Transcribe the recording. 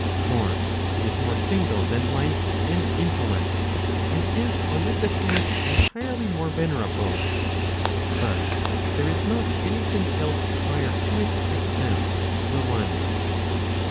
For it is more single than life and intellect, and is on this account entirely more venerable. But there is not any thing else prior to it except the one.